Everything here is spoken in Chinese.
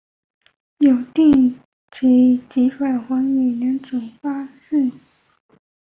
有电解法及还原法两种方式。